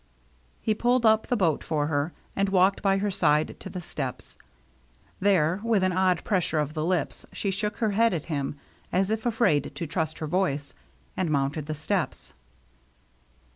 He pulled up the boat for her, and walked by her side to the steps. There, with an odd pressure of the lips, she shook her head at him, as if afraid to trust her voice, and mounted the steps.